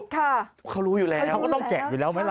เขารู้อยู่แล้วเขาก็ต้องแจกอยู่แล้วไหมล่ะ